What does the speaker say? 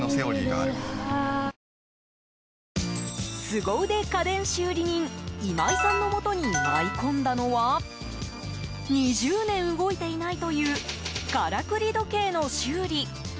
すご腕家電修理人今井さんのもとに舞い込んだのは２０年動いていないというからくり時計の修理。